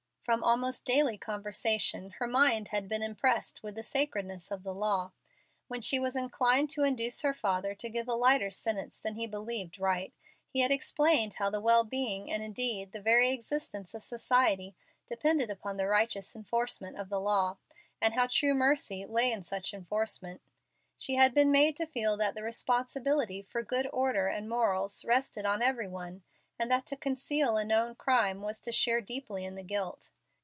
From almost daily conversation her mind had been impressed with the sacredness of the law. When she was inclined to induce her father to give a lighter sentence than he believed right he had explained how the well being and indeed the very existence of society depended upon the righteous enforcement of the law, and how true mercy lay in such enforcement. She had been made to feel that the responsibility for good order and morals rested on every one, and that to conceal a known crime was to share deeply in the guilt.